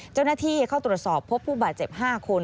เจ้าหน้าที่เข้าตรวจสอบพบผู้บาดเจ็บ๕คน